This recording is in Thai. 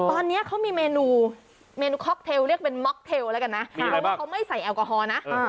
ตอนนี้เขามีเมนูละกันนะเพราะว่ามันทำไม่ใส่แอลกอทอร์นะ